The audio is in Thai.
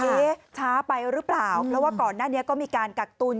ช้าไปหรือเปล่าเพราะว่าก่อนหน้านี้ก็มีการกักตุล